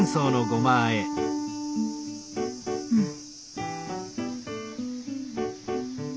うん！